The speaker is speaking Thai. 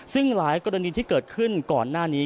ซึ่งหลายกรณีที่เกิดขึ้นก่อนหน้านี้